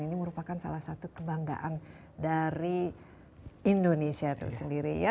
ini merupakan salah satu kebanggaan dari indonesia itu sendiri ya